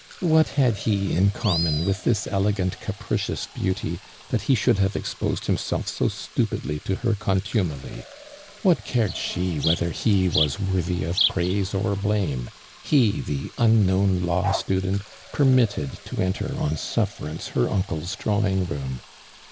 What had he in com mon with this elegant, capricious beauty, that he should have exposed himself so stupidly to her contumely? What cared she whether he was worthy of praise or blame — he, the unknown law student, per mitted to enter on suflerance her uncle's drawing room